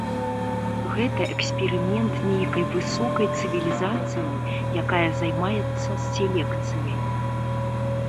Гэта эксперымент нейкай высокай цывілізацыі, якая займаецца селекцыяй.